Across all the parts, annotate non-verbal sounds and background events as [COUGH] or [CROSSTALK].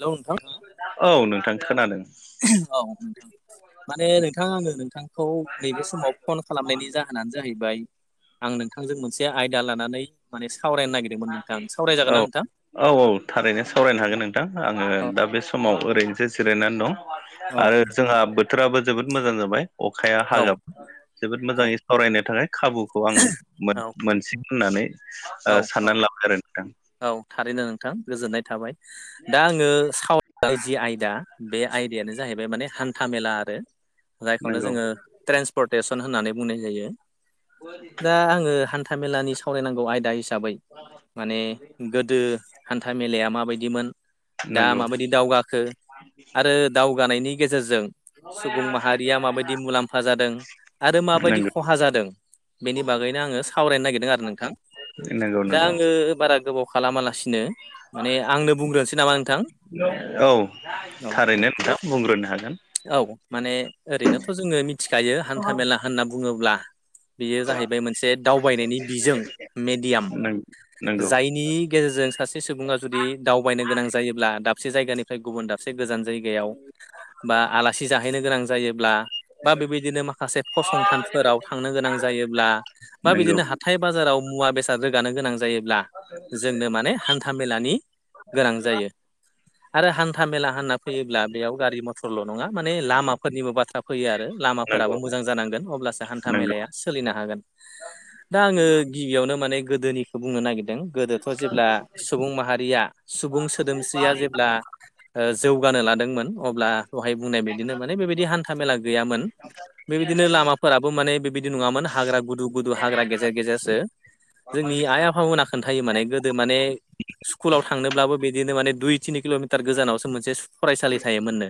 Hello नोंथां औ नोंथां खोनादों। औ नोंथां माने नोंथां आङो नोंथांखौ नैबे समाव फन खालामनायनि जाहोनानो जाहैबाय आं नोंथांजों मोनसे आयदा लानानै माने सावरायनो नागिरदों मोन नोंथां सावरायागोन औ ना नोंथां औ औ थारैनो सावरायनो हागोन नोंथां आङो औ दा बे समाव ओरैनोसो जिरायनानै दं औ आरो जोंहा बोथोराबो जोबोद मोजां जाबाय अखाया औ हागाब जोबोद औ मोजाङै सावरायनो थाखाय खाबुखौ आं औ मोनसि होननानै औ ओ औ साननानै लाबाय आरो नोंथां औ थारैनो नोंथां ।गोजोननाय थाबाय। दा आङो साव राय जि आयदा बे आयदायानो जाहैबाय माने हान्था मेला आरो जायखौनो नंगौ जोङो ट्रेन्सपर्टेसन होननानै बुंनाय जायो दा आङो हान्था मेलानि सावरायनांगौ आयदा हिसाबै माने गोदो हान्था मेलाया माबायदिमोन दा नंगौ माबायदि दावगाखो आरो दावगानायनि गेजेरजों सुबुं माहारिया माबायदि मुलाम्फा जादों आरो माबायदि नंगौ खहा जादों बेनि बागैनो आङो सावरायनो नागिरदों आरो नोंथां नंगौ दा आङो बारा गोबाव खालामालासिनो माने आंनो बुंग्रोनोसै नामा नोंथां [UNINTELLIGIBLE] औ औ औ थारैनो नोंथां बुंग्रोनो हागोन। औ माने ओरैनोथ' जोङो मिथिखायो हान्था मेला होनना बुङोब्ला बेयो जाहैबाय मोनसे दावबायनायनि बिजों मेडियाम। नंगौ जायनि गेजेरजों सासे सुबुङा जुदि दावबायनो गोनां जायोब्ला दाबसे जायगानिफ्राय गुबुन दाबसे गोजान जायगायाव बा आलासि जाहैनो गोनां जायोब्ला बा बेबायदिनो माखासे फसंथानफोराव थांनो गोनां जायोब्ला बा नंगौ बिदिनो हाथाय बाजाराव मुवा बेसाद रोगानो गोनां जायोब्ला ज नो माने, हान्था मेलानि गोनां जायो। आरो हान्था मेला होनना फैयोब्ला बेयाव गारि मट टरल' नङा माने लामाफोरनिबो बाथ्रा फैयो आरो लामाफोराबो नंगौ मोजां जानांगोन अब्लासो हान्था नंगौ मेलाया सोलिनो हागोन। दा आङो गिबियावनो माने गोदोनिखौ बुंनो नागिरदों गोदोथ' जेब्ला सुबुं माहारिया सुबुं सोदोमस्रिया जेब्ला ओ जौगानो लादोंमोन अब दहाय बुंनाय बायदिनो माने बेबायदि हान्था मेला गैयामोन। बेबायदिनो लामाफोराबो माने बेबायदि नङामोन हाग्रा गुदु गुदु हाग्रा गेजेर गेजेरसो। जोंनि आइ आफामोना खोन्थायो माने गोदो माने स्कुलाव थांनोब्लाबो बिदिनो माने दुइ तिनि किल'मिटार गोजानावसो मोनसे सु फरायसालि थायोमोननो।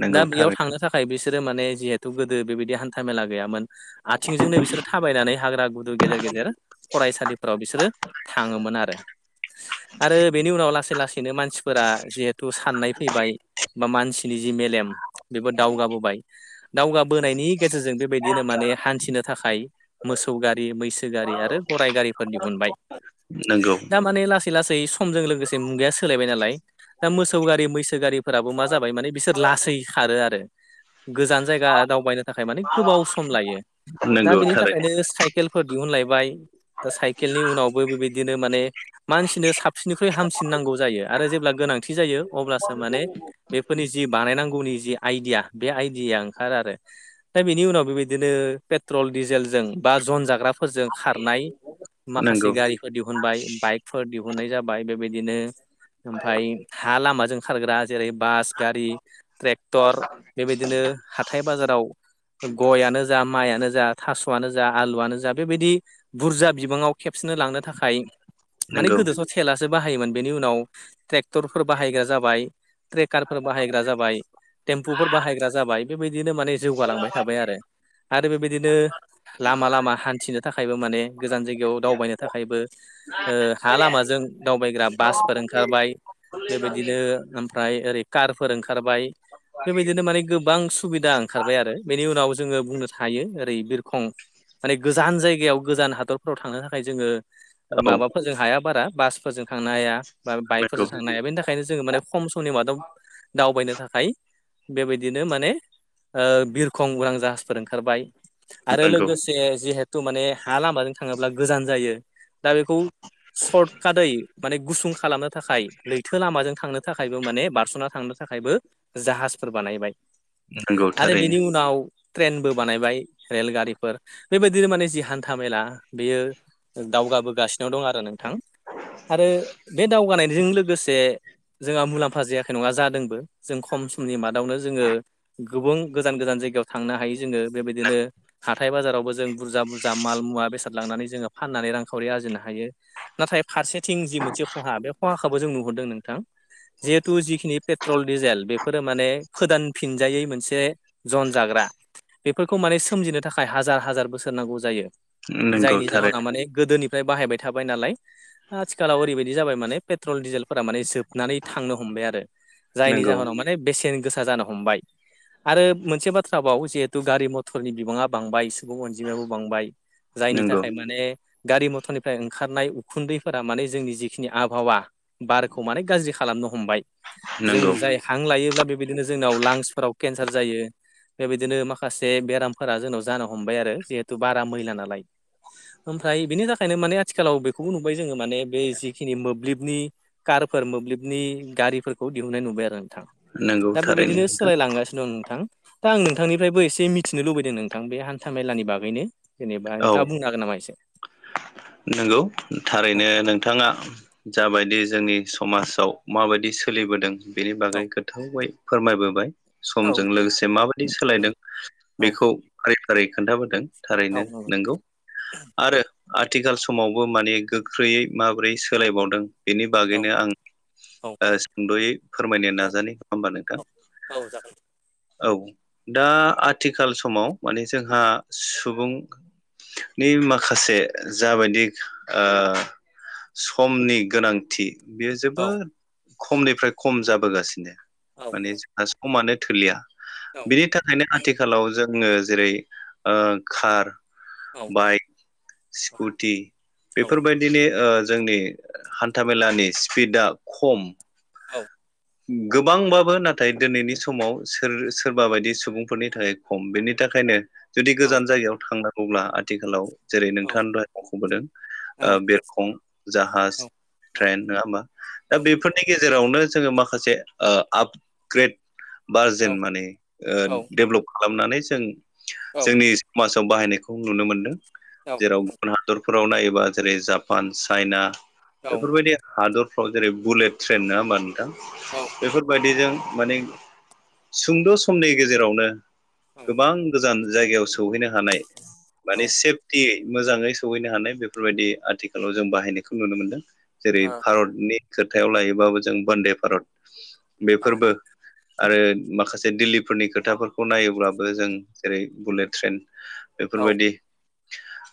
नंगौ दा बेयाव थारैनो थांनो थाखाय बिसोरो माने जिहेथु गोदो बेबायदि हान्था मेला गैयामोन आथिंजोंनो बिसोरो थाबायनानै हाग्रा गुदु गेजेर गेजेर फरायसालिफोराव बिसोरो थाङोमोन आरो। आरो बेनि उनाव लासै लासैनो मानसिफोरा जिहेथु साननाय फैबाय बा मानसि नि जि मेलेम बेबो दावगाबोबाय। दावगाबोनायनि गेजेरजों बेबायदिनो माने हान्थिनो थाखाय मोसौ गारि, मैसो गारि आरो गराइ गारिफोर दिहुनबाय। नंगौ दा माने लासै लासै समजों लोगोसे मुगाया सोलायबाय नालाय दा मोसौ गारि मैसो गारिफोराबो मा जाबाय माने बिसोर लासै खारो आरो गोजान जायगा दावबायनो थाखाय माने गोबाव सम लायो। दा नंगौ बेनि थारैनो थाखायनो साइकेलफोर दिहुनलायबाय दा साइकेलनि उनावबो बेबायदिनो माने मानसिनो साबसिननिख्रुइ हामसिनांगौ जायो आरो जेब्ला गोनांथि जायो अब्लासो माने बेफोरनि जि बानायनांगौनि जि आइडिया बे आइडियाया ओंखारो आरो। दा बेनि उनाव बेबायदिनो पेट्रल, डिजेलजों बा जन जाग्राफोरजों खारनाय माखासे नंगौ गारि बो दिहुनबाय बाइकफोर दिहुननाय जाबाय। बेबायदिनो ओमफाय हा लामाजों खारग्रा जेरै बास, गारि, ट्रेक्टर बेबायदिनो हाथाय बाजाराव गयआनो जा माइनो जा थास'आनो जा आलुआनो जा बेबायदि बुरजा बिबाङाव खेबसेनो लांनो थाखाय माने नंगौ गोदोथ' तेलासो बाहायोमोन बेनि उनाव ट्रेक्टरफोर बाहायग्रा जाबाय ट्रेकार फोर बाहायग्रा जाबाय, टेम्पुफोर बाहायग्रा जाबाय, बेबायदिनो माने जौगालांबाय थाबाय आरो। आरो बेबायदिनो लामा लामा हान्थिनो थाखायबो माने गोजान जायगायाव दावबायनो थाखायबो ओ हा लामाजों दावबायग्रा बासफोर ओंखारबाय। बेबायदिनो ओमफ्राय ओरै कारफोर ओंखारबाय बेबायदिनो माने गोबां सुबिदां ओंखारबाय आरो। बेनि उनाव जोङो बुंनो थायो ओरै बिरखं माने गोजान जायगायाव गोजान हादरफोराव थांनो थाखाय जोङो औ माबाफोर जों हाया बारा बास फोरजों थांनो हाया, बा नंगौ बाइकफोरजों थांनो हाया, बेनि थाखायनो जोङो माने खम समनि मादाव दावबायनो थाखाय। बेबायदिनो माने ओ बिरखं, उरां, जाहाजफोर ओंखारबाय। आरो नंगौ लोगोसे जिहेथ थ' माने हा लामाजों थाङोब्ला गोजान जायो। दा बेखौ सर्ट कादै माने गुसुं खालामनो थाखाय लैथो लामाजों थांनो थाखायबो माने बार ना थांनो थाखायबो जाहाजफोर बानायबाय। नंगौ आरो थारैनो बेनि उनाव ट्रेनबो बानायबाय रेलगारिफोर बेबायदिनो माने जि हान्था मेला बेयो दावगाबोगासिनो दं आरो नोंथां। आरो बे दावगानायजों लोगोसे जोंहा मुलाम्फा जायाखै नङा जादोंबो। जों खम समनि मादावनो जोङो गोबुं गोजान गोजान जायगायाव थांनो हायो जोङो। बेबायदिनो हाथाय बाजारावबो जों बुरजा बुरजा माल मुवा बेसाद लांनानै जोङो फाननानै रांखावरि आरजिनो हायो। नाथाय फारसेथिं जि मोनसे खहा बे खहाखौबो जों नुहरदों नोंथां। [INAUDIBLE] जिहेथु जिखिनि पेट्रल, डिजेल बेफोरो माने फोदान फिनजायै मोनसे जन जाग्रा। बेफोरखौ माने सोमजिनो थाखाय हाजार हाजार बोसोर नांगौ जायो। नंगौ जायनि जाहोनाव थारैनो माने गोदोनि फ्राय बाहायबाय थाबाय नालाय आथिखालाव ओरैबायदि जाबाय माने पेट्रल डिजेलफोरा माने जोबनानै थांनो ह हमबाय आरो, जायनि नंगौ जाहोनाव माने बेसेन गोसा जानो हमबाय। आरो मोनसे बाथ्रा बाव जिहेतु गारि मथरनि बिबाङा बांबाय सुबुं अनजिमायाबो बांबाय। जायनि नंगौ थाखाय माने गारि मथरनिफ्राय ओंखारनाय उखुन्दैफोरा माने जोंनि जिखिनि आबहावा बारखौ माने गाज्रि खालामनो हमबाय जों नंगौ जाय हां लायोब्ला बेबायदिनो जोंनाव लांसफोराव केन्सार जायो। बेबायदिनो माखासे बेरामफोरा जोंनाव जानो हमबाय आरो जिहेथु बारा मैला नालाय। ओमफ्राय बेनि थाखायनो माने आथिखालाव बेखौबो नुबाय जोङो माने बे जिखिनि मोब्लिबनि कारफोर मोबलिबनि गारिफोरखौ दिहुननाय नुबाय आरो नोंथां। नंगौ दा थारैनो बेबायदिनो नोंथां सोलायलांगासिनो दं नोंथां। दा आं नोंथांनिफ्रायबो एसे मिथिनो लुबैदों नोंथां। बे हान्था मेलानि बागैनो। जेनेबा औ नोंथाङा बुंनो हागोन नामा इसे? नंगौ औ थारैनो नोंथाङा जाबायदि जोंनि समाजाव माबायदि सोलि बोदों। बेनि बागै औ गोथौयै फोरमायबोबाय औ समजों लोगोसे माबाय दि सोलायदों औ बेखौ फारि फारि खोन्थाबोदों। औ थारैनो नंगौ। आरो आथिखाल समावबो माने गोख्रैयै माबोरै सोलायबावदों बेनि औ बागैनो आं औ ओ सुंद'यै फोरमायनो नाजानि नङा होमबा नोंथां। औ औ जागोन। औ दा आथिखाल समाव माने जोंहा सुबुं नि माखासे ओ जाबायदि ओ समनि गोनांथि बेयो औ जोबोद खमनिफ्राय खम जाबोगासिनो। औ माने जोंहा समानो थोलिया बिनि थाखायनो आथिखालाव जोङो जेरै ओ कार, औ बायक सिकुटि औ बेफोरबायदि दिनै ओ जोंनि हान्थामेलानि स्पिडा खम औ गोबांबाबो नाथाय दिनैनि समाव सोर सोरबा बायदि सुबुंफोरनि थाखाय खम बेनि थाखायनो जुदि गोजान जायगायाव थांनांगौब्ला आथिखालाव जेरै नोंथाङा दहाय मख'बोदों। ओ बे कं जाहाज ट्रेन नङा होमबा। दा बेफोरनि गेजेरावनो जोङो माख माखासे ओ आपग्रेड बार जेन माने ओ औ डेभलप खालामनानै जों जोंनि समाजाव बाहायनायखौ नुनो मोनदों जेराव गुबुन हादर, फोराव नायोबा जेरै जापान चाइना बेफोरबायदि हादरफ्राव जेरै बुलेट ट्रेन नङा होमबा नोंथां बेफोरबायदिजों माने सुंद' समनि गेजेरावनो गोबां गोजान जायगायाव सो सौहैनो हानाय माने सेफ, थि मोजाङै सहैनो हानाय बेफोरबायदि आथिखालाव जों बाहायनायखौ नुनो मोनदों, जेरै भारतनि खोथायाव लायोबाबो जों बन्दे भारत बेफोरबो आरो माखासे दिल्लीफोरनि खोथाफोरखौ नायोब्लाबो जों जेरै बुलेट, ट्रेन औ एफोरबायदि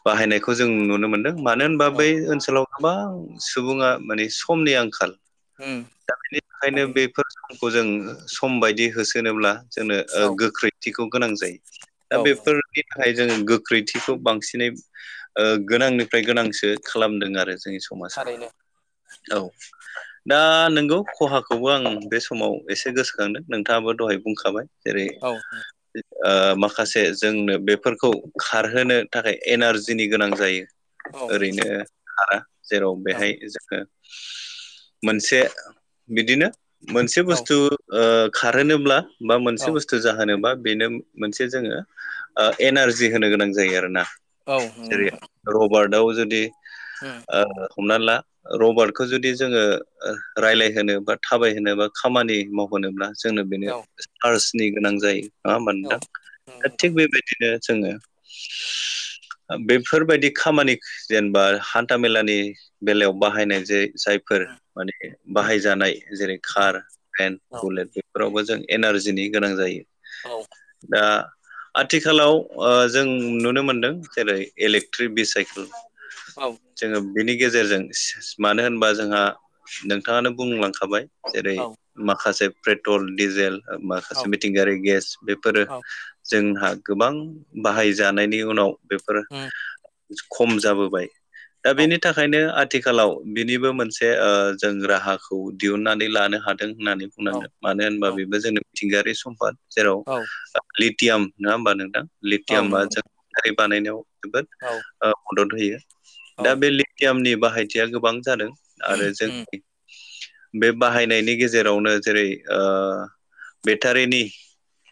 बाहायनायखौ जों नुनो मोनदों। मानो होनबा औ बै ओनसोलाव गोबां सुबुङा माने समनि आंखाल उम खायनो बेफोर समखौ जों सम बायदि होसोनोब्ला जोंनो ओ गोख्रैथिखौ गोनां जायो‌। दा बेफोर उम बेनि थाखाय जोङो गोख्रैथिखौ बांसिनै ओ गोनांनिफ्राय गोनांसो खालामदों आरो जोंनि सम, थारैनो समाजाव औ दा नंगौ खहाखौबो आं बे समाव एसे गोसोखांदों नोंथाङाबो दहाय बुंखाबाय जेरै औ नंगौ थारैनो औ ओ माखासे जोंनो बेफोरखौ खारहोनो थाखाय एनारजिनि गोनां जायो। औ नंगौ ओरैनो हारा जेराव बेहाय जोङो मोनसे बिदिनो, मोनसे बुस्थु खारहोनोब्ला बा औ मोनसे बुस्थु जाहोनोबा बेनो, मोनसे जोङो एनारजि होनो गोनां जायो। आरो ना औ जेरै रबार्टआव जुदि नंगौ ओ हमना ला रबार्टखौ जुदि जोङो रायलाय होनो बा थाबायहोनो बा खामानि मावहोनोब्ला जोंनो बेनो नोंथां उम चार्सनि गोनां जायो। नङा औ ओनबा नोंथां दा नंगौ थिग नोंथां बेबायदिनो जोङो। [INAUDIBLE] बेफोरबायदि खामानि जेनेबा हान्थामेलानि बेलायाव बाहायनाय जायो। जायफोर उम माने बाहायजानाय जेरै औ कार ट्रेन बुलेट बेफोरावबो जों एनारजिनि गोनां जायो। औ दा आथिखालाव ओ जों नुनो मोनदों जेरै इलेक्ट्रिक भसाइकेल औ जोङो बेनि गेजेरजों मानो होनबा जोंहा नों नोंथाङानो बुंलांखाबाय जेरै माखासे पेट्रल डिजेल औ माखासे मिथिंगायारि गेस बेफोरो औ जोंहा गोबां बाहायजानायनि उनाव बेफोर, उम खम जाबोबाय दा औ औ बेनि थाखायनो आथिखालाव बिनिबो मोनसे ओ जों राहाखौ दिहुनन्नानै लानो हादों, हादों होननानै औ बुंनांगोन मानो होनबा बेबो जोंनि मिथिंगायारि सम्पाद जेराव लिटियाम नङा होमबा नोंथां औ लिथियामबा नंगौ जों बानायनायाव जोबोद नोंथां ओ मदद होयो औ दा उम बे लेटियामनि बाहायथिया गोबां जादों आरो जों बे बाहायनायनि गेजेरावनो जेरै बेटारिनि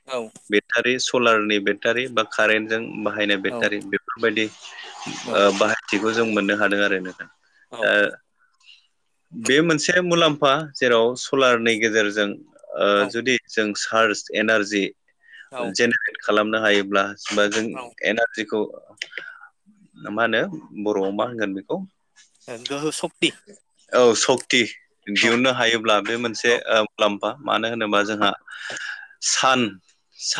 औ बेटारि सलारनि बेटारि बा कारेन्टजों बाहायनाय बेटारि बेफोरबायदि औ नंगौ बाहायथिखौ जों मोननो हादों आरो ना ओ बे मोनसे मुलाम्फा जेराव सलारनि गेजेरजों ओ जुदि, जों सार्स एनारजि जेनेरेट खालामनो हायोब्ला बा औ जों औ एनारजिखौ मा होनो बर'आव मा होनगोन बेखौ गोहो सक्ति औ सक्ति औ दिहुनन्नो हायोब्ला बे मोनसे औ ओ मुलाम्फा मानो होनोबा औ जोंहा सान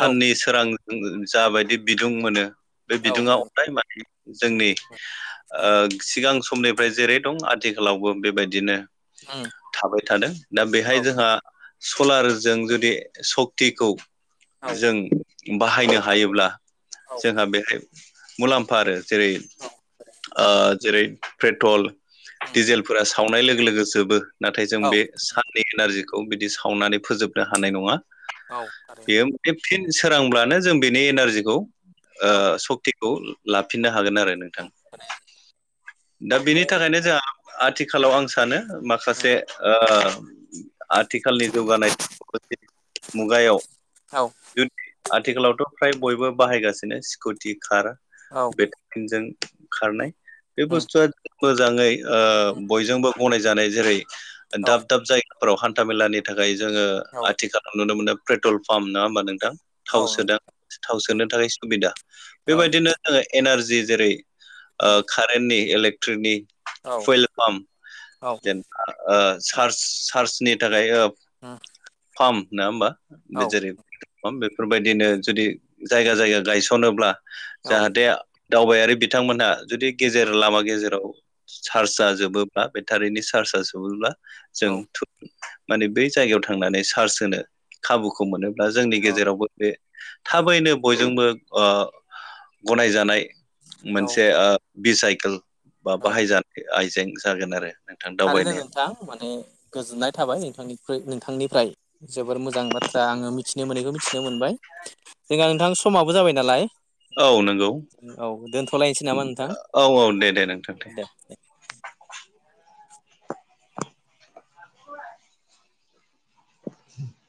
औ सोरांजों जाबायदि बिदुं मोनो बे औ बिदुङा अराय माने जोंनि ओ सिगां समनिफ्राय जेरै दं आथिखालावबो बेबायदिनो उम थाबाय थादों दा औ बेहाय जोंहा सलारजों जुदि सक्तिखौ औ जों बाहायनो हायोब्ला जोंहा बेहाय मुलाम्फा आरो जेरै औ जेरै ओ पेट्रल उम डिजेल, सावनाय लोगो लोगोजोबो नाथाय जों औ बे साननि एनारजिखौ बिदि सावनानै फोजोबनो हानाय नङा औ आरो बेयो। बे फिन सोरांब्लानो जों बेनि एनारजिखौ औ उम सक्ति, खौ लाफिननो हागोन आरो नोंथां दा बेनि थाखायनो जोंहा आथिखालाव आं सानो माखासे ओ आथिखालनि जौगानाय मुगायाव औ [UNINTELLIGIBLE] आथिखालावथ' फ्राय बयबो बाहायगासिनो स्कुटि कार औ बे जों खारनाय बे उम बुस्थुआ मोजाङै उम ओ बयजोंबो गनायजानाय जेरै औ उम औ दाब दाब जायगाफोराव हान्था मेलानि थाखाय जोङो औ। नुनो मोनदों पेट्रल फाम्प नङा होमबा नोंथां। औ थाव उम सोदां थाव सोनो औ थाखाय सुबिदा औ बेबायदिनो जोङो एनारजि जेरै ओ कारेन्टनि इलेक्ट्रिकनि फुइल पाम्प जेनबा ओ चार्ज चार्जनि थाखाय ओ [UNINTELLIGIBLE] फाम नङा होमबा बे जेरै बेफोरबायदिनो जुदि जायगा जायगा गायसनोब्ला औ जाहाथे दावबायारि बिथांमोनहा जुदि गेजेर लामा गेजेराव सार्जआ जोबो बेटारिनि चार्जआ जोबोब्ला जों माने बै जायगायाव थांनानै सार्च होनो खाबुखौ मोनोब्ला जोंनि औ औ गेजेरावबो बे थाबैनो बयजोंबो ओ गनायजानाय। मोनसे ओ बि साइकेल बा बाहायजानाय आइजें जागोन आरो। नोंथां थारैनो दावबायनायाव नोंथां माने गोजोननाय थाबाय नोंथांनि नोंथांनिफ्राय। जोबोर मोजां बाथ्रा आङो मिथिनो मोनैखौ मिथिनो मोनबाय। जोंहा नोंथां समाबो जाबाय नालाय। औ नंगौ औ दोनथ'लायनोसै नामा नोंथां औ औ दे दे नोंथां दे। [INAUDIBLE]